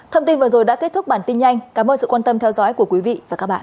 thông tin vừa rồi đã kết thúc bản tin nhanh cảm ơn sự quan tâm theo dõi của quý vị và các bạn